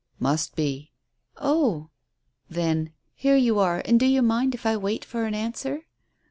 "Must be." "Oh!" Then: "Here you are; and do you mind if I wait for an answer?"